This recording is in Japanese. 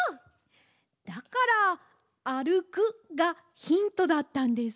だから「あるく」がヒントだったんですね。